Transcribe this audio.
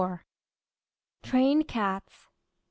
TRAINED CATS.